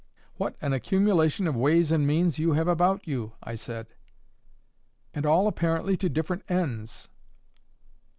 "What an accumulation of ways and means you have about you!" I said; "and all, apparently, to different ends."